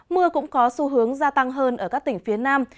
mưa cũng có xu hướng gia tăng hơn ở các tỉnh phía nam